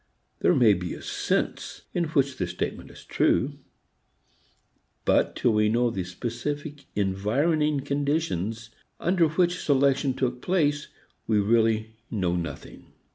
There may be a sense in which the statement is true; but till we know the specific environing conditions under which selection took place we really know nothing.